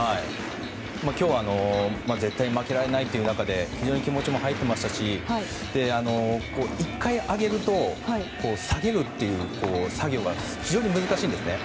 今日は絶対負けられないという中で非常に気持ちも入っていましたし１回上げると下げるという作業が非常に難しいんですね。